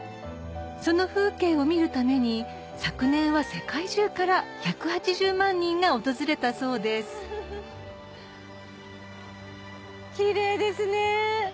その風景を見るために昨年は世界中から１８０万人が訪れたそうですキレイですね！